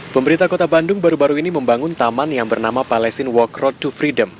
pemerintah kota bandung baru baru ini membangun taman yang bernama palestine walk road to freedom